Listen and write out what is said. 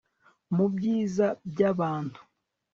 mu byiza byabantu